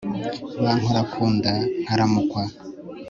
bankora ku nda nkaramukwa